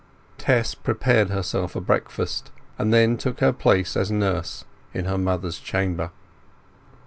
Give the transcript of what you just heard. Tess prepared herself a breakfast, and then took her place as nurse in her mother's chamber.